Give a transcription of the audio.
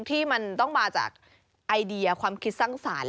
ที่มันต้องมาจากไอเดียความคิดสร้างสรรค์